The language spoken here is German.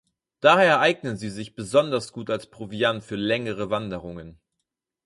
Daher eignen sie sich besonders gut als Proviant für längere Wanderungen.